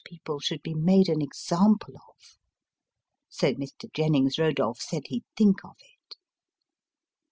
people should be made an example of." So Mr. Jennings Eodolph said he'd think of it.